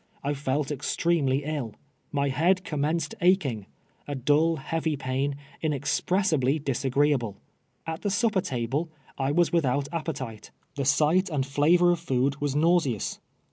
I felt extn mely ill. IMy head commenced achini:; — a dull, heavy ]»ain, inex ])ressil)ly disa<j;Teeahle. ^\t the snj>})er table, I was without appetite; the si^ ht and ilavor of food was nauseous.